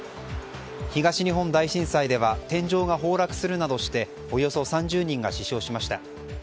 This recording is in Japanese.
東日本大震災では天井が崩落するなどしておよそ３０人が死傷しました。